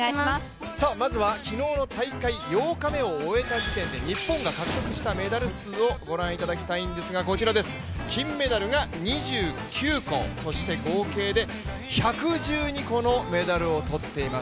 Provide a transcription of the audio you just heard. まずは昨日の大会８日目を終えた時点で日本が獲得したメダル数をご覧いただきたいんですが金メダルが２９個そして、合計で１１２個のメダルを取っています。